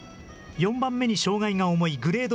４番目に障害が重いグレード